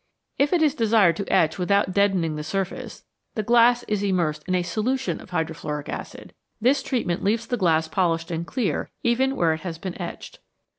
If it is desired to etch without deadening the surface, the glass is immersed in a solution of hydrofluoric acid ; this treatment leaves the glass polished and clear even where it has been etched.